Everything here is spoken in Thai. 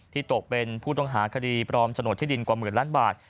ตกเป็นผู้ต้องหาคดีปลอมโฉนดที่ดินกว่าหมื่นล้านบาท